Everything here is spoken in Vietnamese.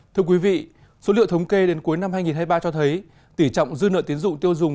thưa quý vị số liệu thống kê đến cuối năm hai nghìn hai mươi ba cho thấy tỷ trọng dư nợ tiến dụng tiêu dùng